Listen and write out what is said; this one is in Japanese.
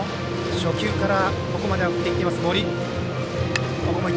初球からここまでは振っていっている森。